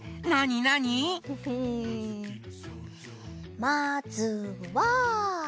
まずは。